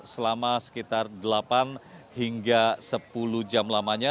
selama sekitar delapan hingga sepuluh jam lamanya